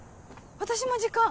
私も時間。